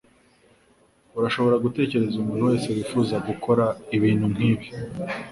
Urashobora gutekereza umuntu wese wifuza gukora ibintu nkibi?